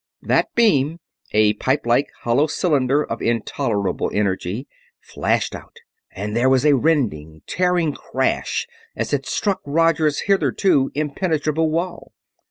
That beam, a pipe like hollow cylinder of intolerable energy, flashed out, and there was a rending, tearing crash as it struck Roger's hitherto impenetrable wall.